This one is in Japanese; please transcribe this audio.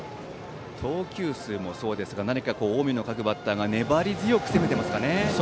投球数もそうですが何か、近江の各バッターが粘り強く攻めていますかね。